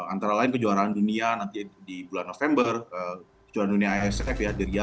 antara lain kejuaraan dunia nanti di bulan november kejuaraan dunia iff ya